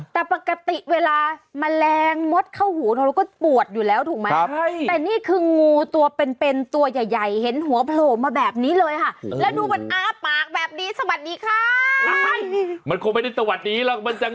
แต่ปกติเวลามะแรงมดเข้าหูถูกก็ปวดอยู่แล้วถูกมั้ย